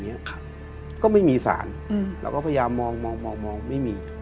เนี้ยครับก็ไม่มีสารอืมแล้วก็พยายามมองมองมองมองไม่มี